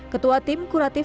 ketua tim kuratif